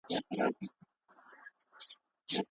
په خوښۍ کې هر څوک ملګری وي.